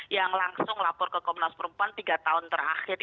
yang langsung lapor ke komnas perempuan tiga tahun terakhir